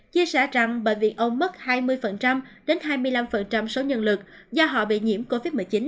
chia sẻ rằng bởi vì ông mất hai mươi đến hai mươi năm số nhân lực do họ bị nhiễm covid một mươi chín